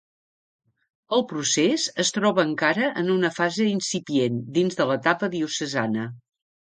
El procés es troba encara en una fase incipient dins de l'etapa diocesana.